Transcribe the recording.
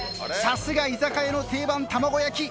さすが居酒屋の定番玉子焼。